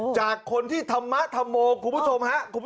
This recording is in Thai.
จากคนที่ธรรมโธมโมคุณผู้ชมครับ